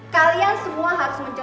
kalian semua harus mencoba